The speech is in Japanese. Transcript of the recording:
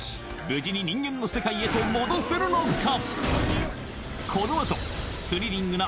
無事に人間の世界へと戻せるのか？